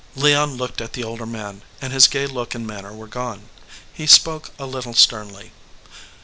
Leon looked at the older man, and his gay look and manner were gone. He spoke a little sternly.